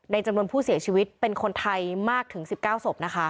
จำนวนผู้เสียชีวิตเป็นคนไทยมากถึง๑๙ศพนะคะ